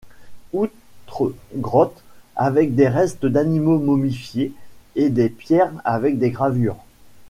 Outre grottes avec des restes d'animaux momifiés et des pierres avec des gravures.